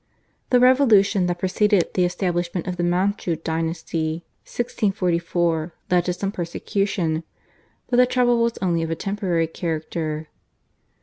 The revolution that preceded the establishment of the Manchu dynasty (1644) led to some persecution, but the trouble was only of a temporary character.